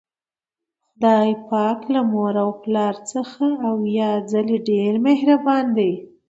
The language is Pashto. خدای پاک له مور او پلار څخه اویا ځلې ډیر مهربان ده